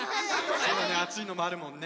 あついのもあるもんね。